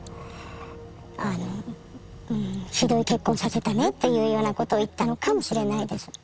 ひどい結婚をさせたねというようなことを言ったのかもしれないです。